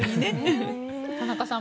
田中さん